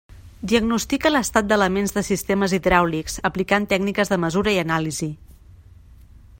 Diagnostica l'estat d'elements de sistemes hidràulics, aplicant tècniques de mesura i anàlisi.